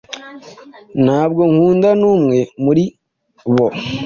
Ntabwo nkunda numwe muri bo.